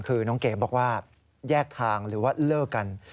คือน้องเก๋บอกว่าแยกทางหรือว่าเลิกกัน